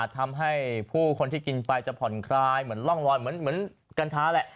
ทำให้ผู้คนที่กินไปจะผ่อนคลายเหมือนร่องรอยเหมือนกัญชาแหละ